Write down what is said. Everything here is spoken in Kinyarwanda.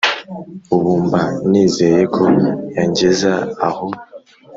ubu mba nizeye ko yangeza aho